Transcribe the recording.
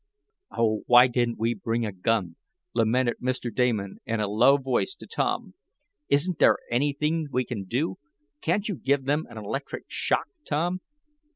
"Oh, why didn't we bring a gun!" lamented Mr. Damon in a low voice to Tom. "Isn't there anything we can do? Can't you give them an electric shock, Tom?"